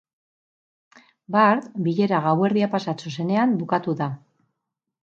Bart bilera gauerdia pasatxo zenean bukatu da.